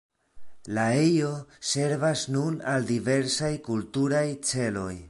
La ejo servas nun al diversaj kulturaj celoj.